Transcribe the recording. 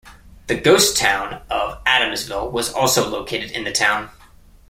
The ghost town of Adamsville was also located in the town.